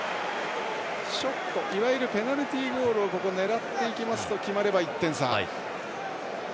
ペナルティーゴールを狙っていきますと決まれば１点差。